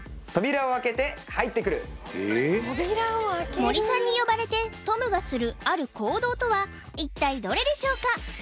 森さんに呼ばれてトムがするある行動とは一体どれでしょうか？